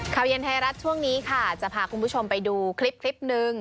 ข่าวเย็นไทยรัฐช่วงนี้ค่ะจะพาคุณผู้ชมไปดูคลิปคลิปหนึ่ง